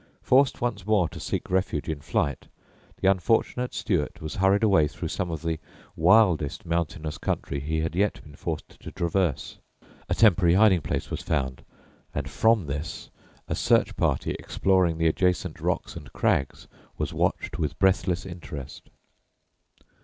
Forced once more to seek refuge in flight, the unfortunate Stuart was hurried away through some of the wildest mountainous country he had yet been forced to traverse. A temporary hiding place was found, and from this a search party exploring the adjacent rocks and crags was watched with breathless interest.